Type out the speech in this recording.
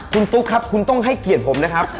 คุณตุ๊กครับคุณต้องให้เกียรติผมนะครับ